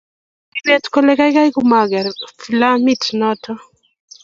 Kimwaa Kibet kole geigei komageer filamit noto